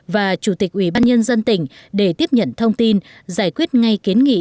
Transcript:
và chủ tịch ủy ban nhân dân tỉnh để tiếp nhận thông tin giải quyết ngay kiến nghị